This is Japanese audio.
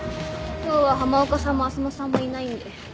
今日は浜岡さんも浅野さんもいないんで。